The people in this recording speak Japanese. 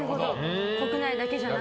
国内だけじゃなく。